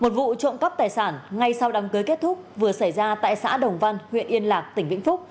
một vụ trộm cắp tài sản ngay sau đám cưới kết thúc vừa xảy ra tại xã đồng văn huyện yên lạc tỉnh vĩnh phúc